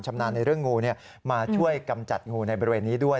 นานในเรื่องงูมาช่วยกำจัดงูในบริเวณนี้ด้วย